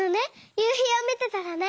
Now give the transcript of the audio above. ゆうひをみてたらね。